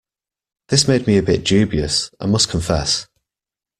This made me a bit dubious, I must confess.